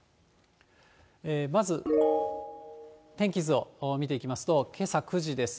まず天気図を見ていきますと、けさ９時です。